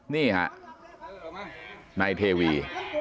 นี่ฮะนายเทวี